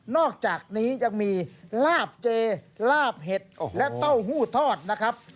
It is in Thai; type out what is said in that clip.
อกจากนี้ยังมีลาบเจลาบเห็ดและเต้าหู้ทอดนะครับ